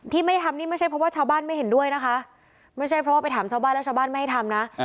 ที่ไม่ได้ทำนี่ไม่ใช่เพราะว่าชาวบ้านไม่เห็นด้วยนะคะไม่ใช่เพราะว่าไปถามชาวบ้านแล้วชาวบ้านไม่ให้ทำนะ